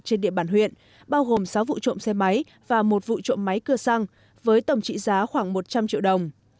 trên địa bàn huyện bao gồm sáu vụ trộm xe máy và một vụ trộm máy cưa xăng với tổng trị giá khoảng một trăm linh triệu đồng